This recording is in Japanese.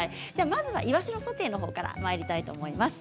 まずはいわしのソテーの方からまいりたいと思います。